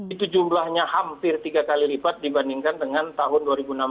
itu jumlahnya hampir tiga kali lipat dibandingkan dengan tahun dua ribu enam belas